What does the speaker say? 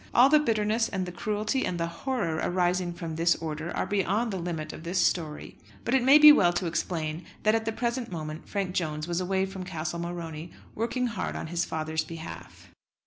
All the bitterness and the cruelty and the horror arising from this order are beyond the limit of this story. But it may be well to explain that at the present moment Frank Jones was away from Castle Morony, working hard on his father's behalf.